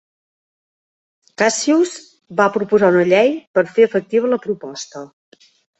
Cassius va proposar una llei per fer efectiva la proposta.